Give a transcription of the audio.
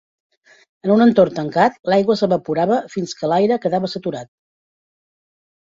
En un entorn tancat, l'aigua s'evaporava fins que l'aire quedava saturat.